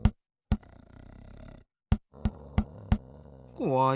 こわい。